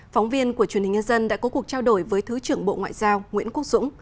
phóng viên của truyền hình nhân dân đã có cuộc trao đổi với thứ trưởng bộ ngoại giao nguyễn quốc dũng